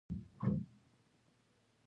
د کونړ په دانګام کې د څه شي نښې دي؟